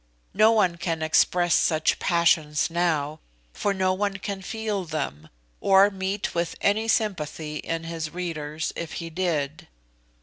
No one can express such passions now, for no one can feel them, or meet with any sympathy in his readers if he did.